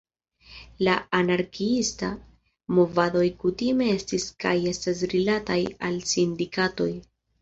La anarkiistaj movadoj kutime estis kaj estas rilataj al sindikatoj.